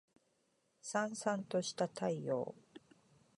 燦燦とした太陽